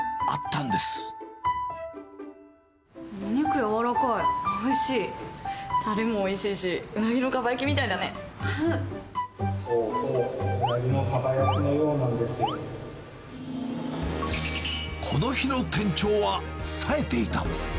たれもおいしいし、そうそう、この日の店長はさえていた。